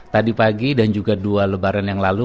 tadi pagi dan juga dua lebaran yang lalu